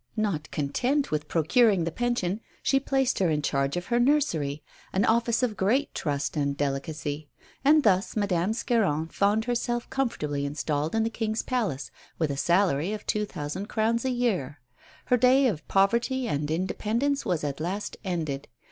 Not content with procuring the pension, she placed her in charge of her nursery, an office of great trust and delicacy; and thus Madame Scarron found herself comfortably installed in the King's palace with a salary of two thousand crowns a year. Her day of poverty and independence was at last ended.